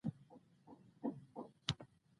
ایا زه باید په پکتیا کې اوسم؟